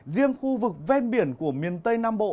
riêng khu vực ven biển của miền tây nam bộ